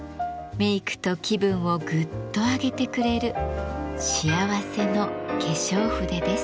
メイクと気分をグッと上げてくれる幸せの化粧筆です。